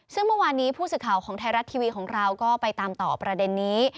ซึ่งเมื่อวานนี้ผู้สื่อข่าวของไทยรัฐทีวีของเราก็ไปตามต่อประเด็นนี้